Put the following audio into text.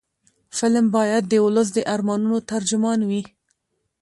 فلم باید د ولس د ارمانونو ترجمان وي